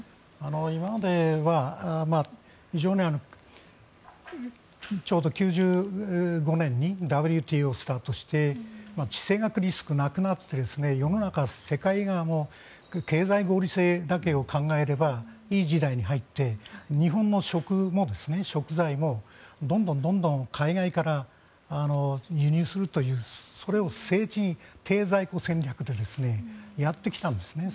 今まではちょうど９５年にＷＴＯがスタートしてリスクがなくなって世の中の世界が経済合理性だけを考えればいい時代に入って日本の食、食材もどんどん海外から輸入するというそれを政治に経済戦略としてやってきたんです。